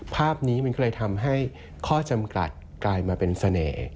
ภาพนี้มันก็เลยทำให้ข้อจำกัดกลายมาเป็นเสน่ห์